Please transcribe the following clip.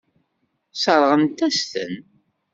Sseṛɣent-as-ten.